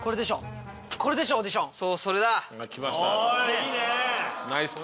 いいね！